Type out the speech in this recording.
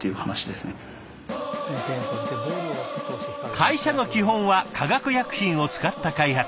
会社の基本は化学薬品を使った開発。